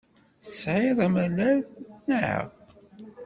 Tesɛiḍ amalal, naɣ?